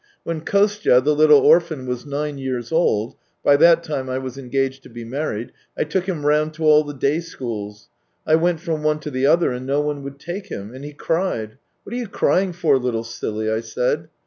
When Kostya, the httle orphan, was nine years old — by that time I was engaged to be married — I took him round to all the day schools. I went from one to the other, and no one would take him. And he cried. ...' What are you crying for, little silly ?' I said.